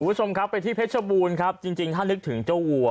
คุณผู้ชมครับไปที่เพชรบูรณ์ครับจริงจริงถ้านึกถึงเจ้าวัว